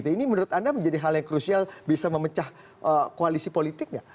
ini menurut anda menjadi hal yang krusial bisa memecah koalisi politik nggak